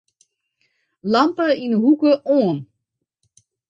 Lampe yn 'e hoeke oan.